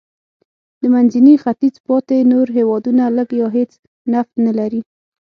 د منځني ختیځ پاتې نور هېوادونه لږ یا هېڅ نفت نه لري.